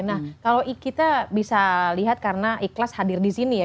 nah kalau kita bisa lihat karena ikhlas hadir di sini ya